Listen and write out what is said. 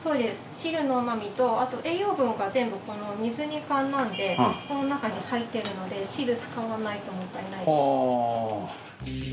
汁の旨味とあと栄養分が全部水煮缶なんでこの中に入ってるので汁使わないともったいないです。